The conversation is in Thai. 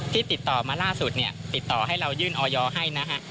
ติดต่อมาล่าสุดเนี่ยติดต่อให้เรายื่นออยให้นะฮะ